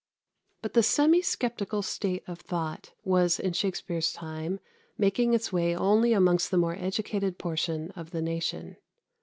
But the semi sceptical state of thought was in Shakspere's time making its way only amongst the more educated portion of the nation.